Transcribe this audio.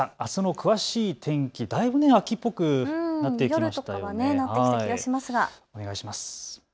片山さん、あすの詳しい天気、だいぶ秋っぽくなりましたね。